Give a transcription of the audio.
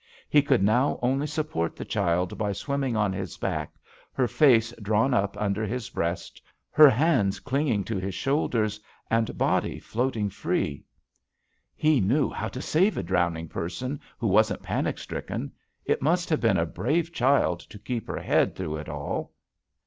He could now only support the child by swimming on his back, her face drawn up to his breast, her hands clinging to his shoulders, and body floating free." "He knew how to «ave a drowning person, who wasn't panic stricken. It must have been a brave child to keep her head through it all."